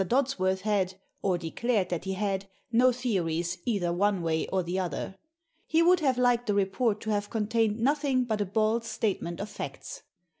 Dodsworth had, or declared that he had, no theories either one way or the other. He would have liked the report to have contained nothing but a bald statement of facts.